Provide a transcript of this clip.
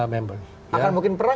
member akan mungkin perang